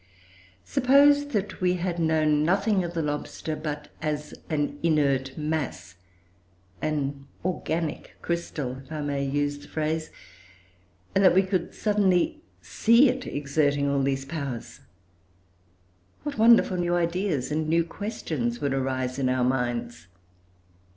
Suppose that we had known nothing of the lobster but as an inert mass, an organic crystal, if I may use the phrase, and that we could suddenly see it exerting all these powers, what wonderful new ideas and new questions would arise in our minds!